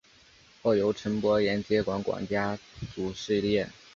后由陈柏廷接管家族事业。